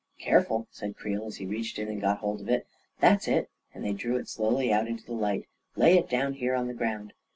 " Careful !" said Creel, as he reached in and got hold of it. " That's it !" and they drew it slowly out into the light. u Lay it down here on the ground."